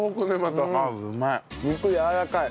肉やわらかい。